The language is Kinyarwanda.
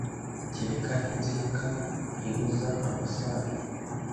kereka inzika ibuza amasano.